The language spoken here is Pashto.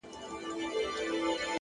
هره ورځ د نوي امکان زېری راوړي!.